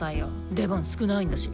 出番少ないんだし。